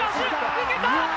抜けた！